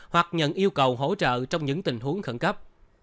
hoặc nhận yêu cầu hỗ trợ trong những tình huống khẩn cấp